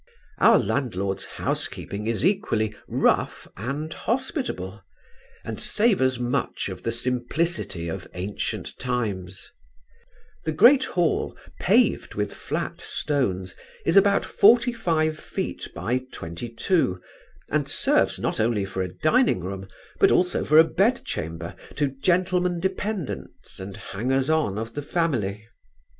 Our landlord's housekeeping is equally rough and hospitable, and savours much of the simplicity of ancient times: the great hall, paved with flat stones, is about forty five feet by twenty two, and serves not only for a dining room, but also for a bedchamber, to gentlemen dependents and hangers on of the family.